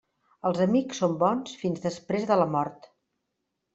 Els amics són bons fins després de la mort.